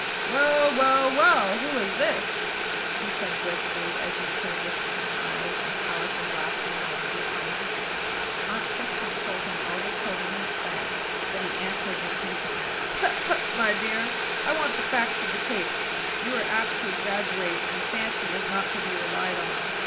"Well, well, well! who is this?" he said briskly, as he turned his keen eyes and powerful glasses on the new comer. Aunt Fiction told him all the children had said; but he answered impatiently: "Tut, tut! my dear: I want the facts of the case. You are apt to exaggerate; and Fancy is not to be relied on.